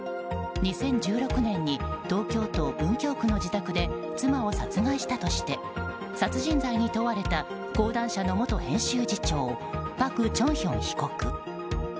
２０１６年に東京都文京区の自宅で妻を殺害したとして殺人罪に問われた講談社の元編集次長パク・チョンヒョン被告。